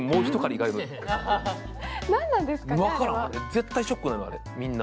絶対ショックなの、あれ、みんな。